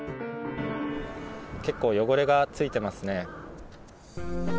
結構、汚れがついてますね。